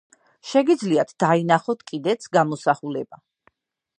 შეგიძლიათ დაინახოთ კიდეც გამოსახულება.